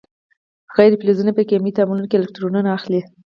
غیر فلزونه په کیمیاوي تعاملونو کې الکترونونه اخلي.